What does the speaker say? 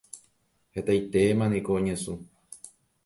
Hetaitémaniko oñesũ.